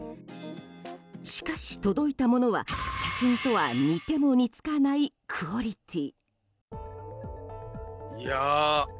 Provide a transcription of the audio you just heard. しかし、届いたものは写真とは似ても似つかないクオリティー。